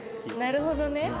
なるほどね。